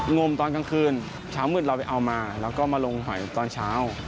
งมตอนกลางคืนเช้ามืดเราไปเอามาแล้วก็มาลงหอยตอนเช้า